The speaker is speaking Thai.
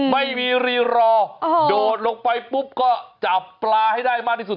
ไม่มีรีรอโดดลงไปปุ๊บก็จับปลาให้ได้มากที่สุด